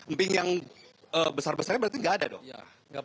emping yang besar besarnya berarti nggak ada dong